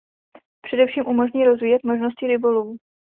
Především umožní rozvíjet možnosti rybolovu.